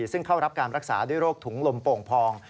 ซึ่งเข้ารับการรักษาด้วยโรคถุงลมโป่งพอง